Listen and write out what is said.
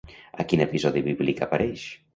A quin episodi bíblic apareix?